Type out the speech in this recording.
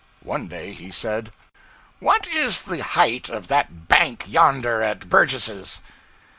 One day he said 'What is the height of that bank yonder, at Burgess's?'